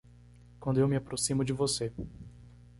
Quando eu me aproximo de você